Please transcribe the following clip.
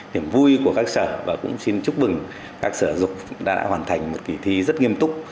điểm vui của các sở và cũng xin chúc mừng các sở dục đã hoàn thành một kỳ thi rất nghiêm túc